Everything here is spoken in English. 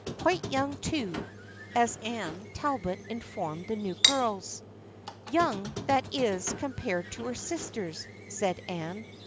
Quite young, too, as Anne Talbot informed the new girls. " Young that is, compared to her sisters," said Anne.